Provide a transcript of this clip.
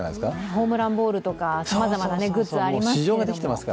ホームランボールとかさまざまなグッズありますけれども。